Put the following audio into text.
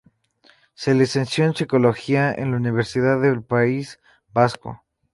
Se licenció en Psicología en la Universidad del País Vasco.